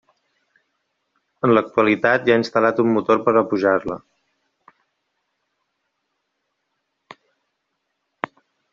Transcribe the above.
En l'actualitat hi ha instal·lat un motor per a pujar-la.